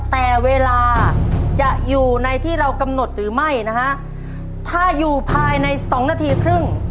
แต่เวลาจะอยู่ในที่เรากำหนดหรือไม่นะฮะถ้าอยู่ภายในสองนาทีครึ่ง